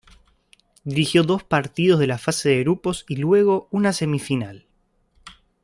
Dirigió dos partidos de la fase de grupos y luego una semifinal.